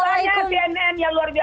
makasih banyak cnn yang luar biasa